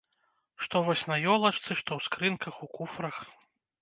Што вось на елачцы, што ў скрынках, у куфрах.